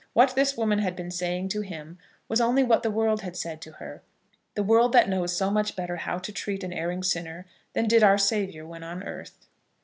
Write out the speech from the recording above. What this woman had been saying to him was only what the world had said to her, the world that knows so much better how to treat an erring sinner than did Our Saviour when on earth.